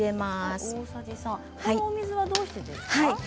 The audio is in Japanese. この水は、どうしてですか？